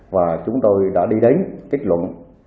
và chúng tôi đã đi đến kết luận